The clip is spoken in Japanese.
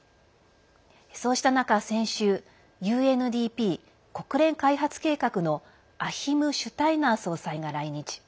そうした中、先週ＵＮＤＰ＝国連開発計画のアヒム・シュタイナー総裁が来日。